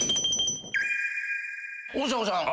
大迫さん。